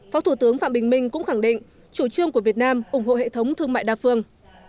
phó thủ tướng phạm bình minh cũng khẳng định chủ trương của việt nam ủng hộ hệ thống thương mại đa phương